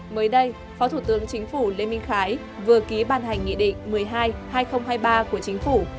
mới đây phó thủ tướng chính phủ lê minh khái vừa ký ban hành nghị định một mươi hai hai nghìn hai mươi ba của chính phủ